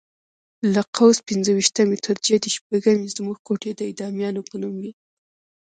له قوس پنځه ویشتمې تر جدي شپږمې زموږ کوټې د اعدامیانو په نوم وې.